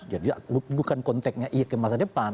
jadi bukan konteknya iya ke masa depan